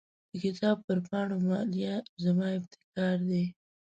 د کتاب پر پاڼو مالیه زما ابتکار دی.